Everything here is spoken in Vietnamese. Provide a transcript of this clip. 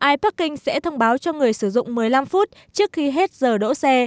iparking sẽ thông báo cho người sử dụng một mươi năm phút trước khi hết giờ đỗ xe